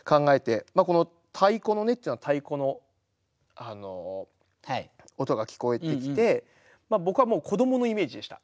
この「太鼓の音」っていうのは太鼓の音が聞こえてきて僕はもう子どものイメージでした。